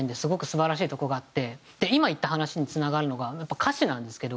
で今言った話につながるのがやっぱ歌詞なんですけど。